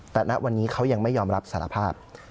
แต่ณวันนี้เขายังไม่ยอมรับสารภาพ